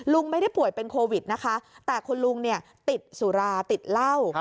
ลุงไม่ได้ป่วยเป็นโควิดนะคะแต่คุณลุงเนี่ยติดสุราติดเหล้า